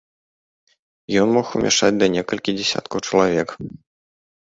Ён мог умяшчаць да некалькі дзесяткаў чалавек.